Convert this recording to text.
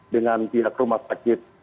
dengan pihak rumah sakit